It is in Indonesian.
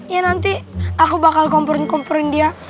ya nanti aku bakal komporin komporin dia